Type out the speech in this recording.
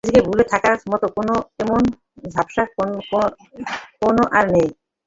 নিজেকেই ভুলে থাকার মতো কোনো এমন ঝাপসা কোণ আর নেই।